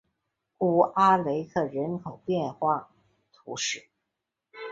古阿雷克人口变化图示